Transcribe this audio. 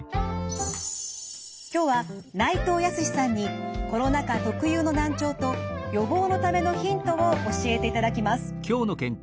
今日は内藤泰さんにコロナ禍特有の難聴と予防のためのヒントを教えていただきます。